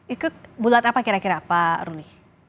ikut bulat apa kira kira pak ruli